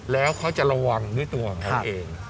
และเขาจะระวังด้วยตัวตัวเอง